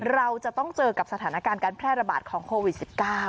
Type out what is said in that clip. เราจะต้องเจอกับสถานการณ์การแพร่ระบาดของโควิด๑๙